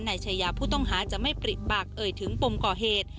นายชายาผู้ต้องหาจะไม่ปริปากเอ่ยถึงปมก่อเหตุ